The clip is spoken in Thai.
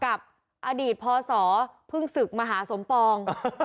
กับอดีตพศเพิ่งศึกมหาสมปอง